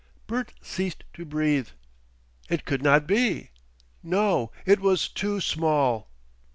Bert ceased to breathe. It could not be. No, it was too small!